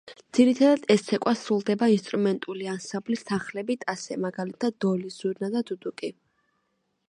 ძირითადად ეს ცეკვა სრულდება ინსტრუმენტული ანსამბლის თანხლებით ასე მაგალითად დოლი, ზურნა და დუდუკი.